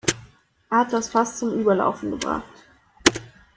Er hat das Fass zum Überlaufen gebracht.